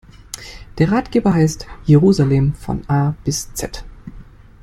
Der Ratgeber heißt: Jerusalem von A bis Z.